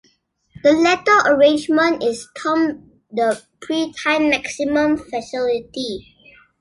The latter arrangement is termed the "pre-timed Maximum Facility".